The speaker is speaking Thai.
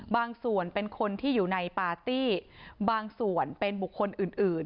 ส่วนเป็นคนที่อยู่ในปาร์ตี้บางส่วนเป็นบุคคลอื่น